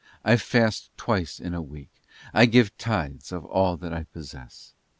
. I fast twice in a week, I give tithes of all that I possess.